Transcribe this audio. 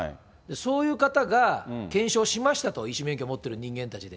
そういう方が検証しましたと、医師免許持ってる人間たちで。